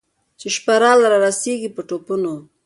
چي شپه راغله رارسېږي په ټوپونو